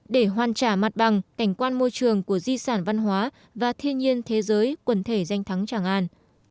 để hoàn trả mặt bằng cảnh quan môi trường của di sản văn hóa và thiên nhiên thế giới quần thể danh thắng tràng an